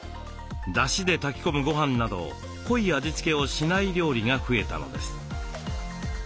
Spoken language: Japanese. ごはんなど濃い味付けをしない料理が増えたのです。